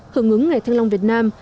hưởng ứng ngày thanh long việt nam